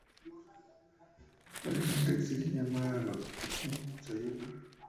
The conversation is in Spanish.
Alejandra exige llamar de Rasputín en su ayuda.